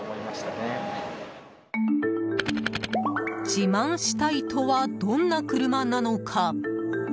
自慢したいとはどんな車なのか？